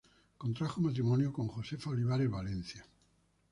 Contrajo matrimonio con Josefa Olivares Valencia.